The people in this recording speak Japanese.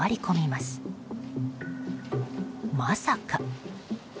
まさか。